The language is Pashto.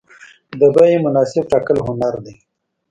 د بیې مناسب ټاکل هنر دی.